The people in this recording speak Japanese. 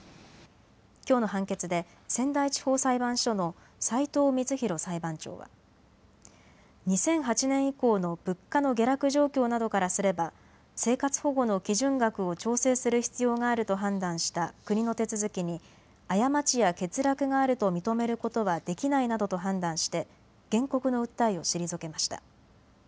きょうの判決で仙台地方裁判所の齊藤充洋裁判長は２００８年以降の物価の下落状況などからすれば生活保護の基準額を調整する必要があると判断した国の手続きに過ちや欠落があると認めることはできないなどと判断して原告の訴えを退けました。